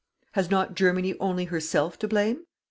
Has not Germany only herself to blame?